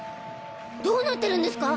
どうなってるんですか？